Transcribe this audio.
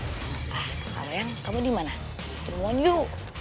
ah kalau yang kamu dimana ketemuan yuk